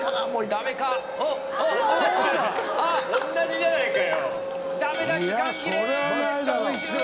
ダメだ、時間切れ！